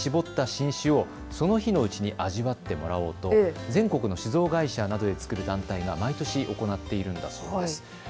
立春の日の朝に搾った新酒をその日のうちに味わってもらおうと全国の酒造会社などで作る団体が毎年行っているんだそうです。